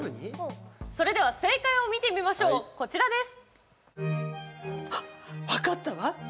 それでは正解を見てみましょうこちらです。